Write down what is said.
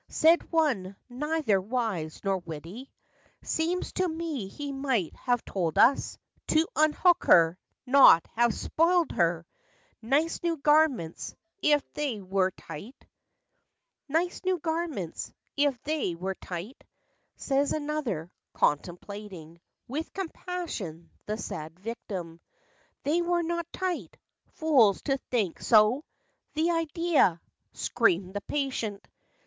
Said one, neither wise nor witty. " Seems to me he might have told us To unhook her—not have spoiled her Nice new garments—if they were tight," Said another, contemplating With compassion, the sad victim. "They were not tight! Fools to think so ! The idea! " screamed the patient.